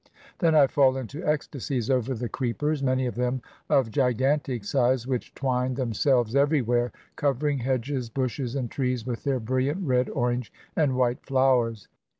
Then I fall into ecstasies over the creepers, many of them of gigantic size, which twine themselves everywhere, covering hedges, bushes, and trees with their brilliant red, orange, and white flowers.